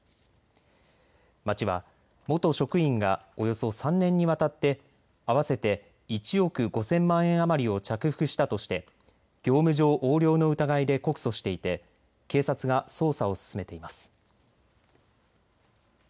町は元職員がおよそ３年にわたって合わせて１億５０００万円余りを着服したとして業務上横領の疑いで告訴していて警察が捜査を進めています。